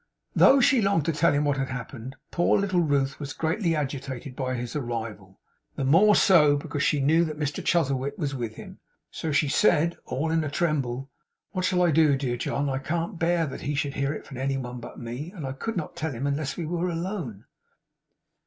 Though she longed to tell him what had happened, poor little Ruth was greatly agitated by his arrival; the more so because she knew that Mr Chuzzlewit was with him. So she said, all in a tremble: 'What shall I do, dear John! I can't bear that he should hear it from any one but me, and I could not tell him, unless we were alone.